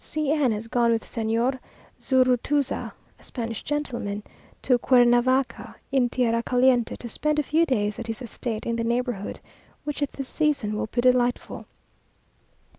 C n has gone with Señor Zurutuza (a Spanish gentleman), to Cuernavaca, in tierra caliente, to spend a few days at his estate in the neighbourhood; which at this season will be delightful.